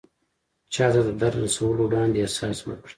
چاته د درد رسولو وړاندې احساس وکړه.